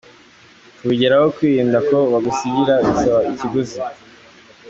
Kubigeraho, kwirinda ko bagusigira bisaba ikiguzi.